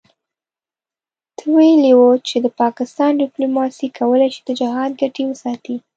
ته ویلي وو چې د پاکستان دیپلوماسي کولای شي د جهاد ګټې وساتي.